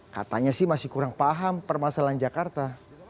katanya sih masih kurang paham permasalahan jakarta